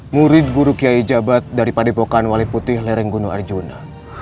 murid buruk kiai jabat dari padepokan wali putih lereng gunung arjuna